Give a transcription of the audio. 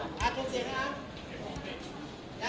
สวัสดีครับคุณผู้ชม